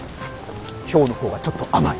ひょうの方がちょっと甘い。